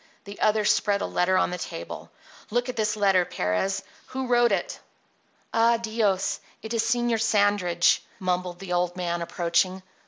The other spread a letter on the table. "Look at this letter, Perez," cried the man. "Who wrote it?" "Ah, Dios! it is Señor Sandridge," mumbled the old man, approaching.